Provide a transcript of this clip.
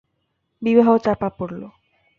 বিবাহ চাপা পড়ল।